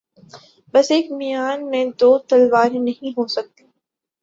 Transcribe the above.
بس ایک میان میں دو تلواریں نہیں ہوسکتیں